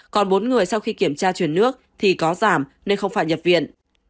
còn bốn người sau khi kiểm tra chuyển nước thì có giảm nên không phải nhập viện